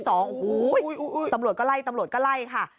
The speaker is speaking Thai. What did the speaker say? โอ้โหตำรวจก็ไล่ตำรวจก็ไล่ค่ะ